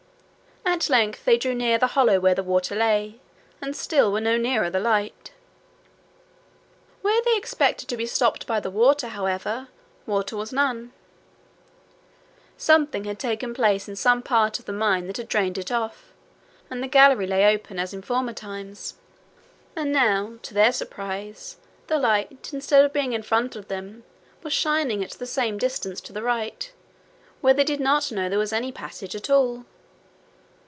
At length they drew near the hollow where the water lay, and still were no nearer the light. Where they expected to be stopped by the water, however, water was none: something had taken place in some part of the mine that had drained it off, and the gallery lay open as in former times. And now, to their surprise, the light, instead of being in front of them, was shining at the same distance to the right, where they did not know there was any passage at all.